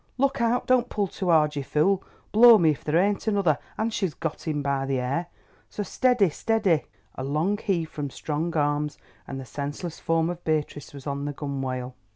"Look out, don't pull so hard, you fool. Blow me if there ain't another and she's got him by the hair. So, steady, steady!" A long heave from strong arms and the senseless form of Beatrice was on the gunwale.